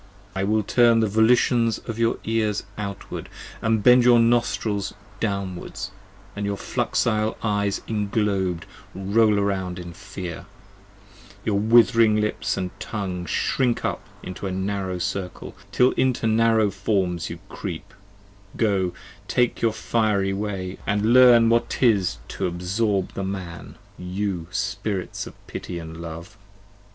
I will turn the volutions of your ears outward, and bend your nostrils Downward, and your fluxile eyes englob'd roll round in fear; Your with'ring lips and tongue shrink up into a narrow circle, 70 Till into narrow forms you creep: go take your fiery way: And learn what 'tis to absorb the Man, you Spirits of Pity & Love.